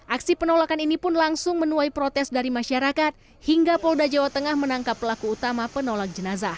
aksi penolakan ini pun langsung menuai protes dari masyarakat hingga polda jawa tengah menangkap pelaku utama penolak jenazah